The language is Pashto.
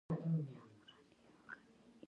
_وه هلکه، څنګه لکه مچ له ځان سره بنګېږې؟